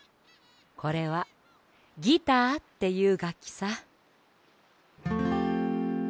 これはギターっていうがっきさ。